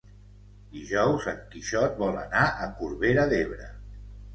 Dijous en Quixot vol anar a Corbera d'Ebre.